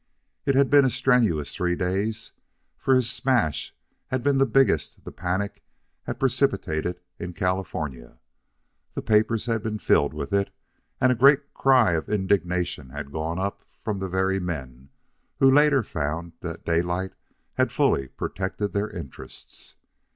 It had been a strenuous three days, for his smash had been the biggest the panic had precipitated in California. The papers had been filled with it, and a great cry of indignation had gone up from the very men who later found that Daylight had fully protected their interests.